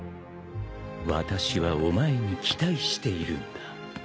私はお前に期待しているんだ。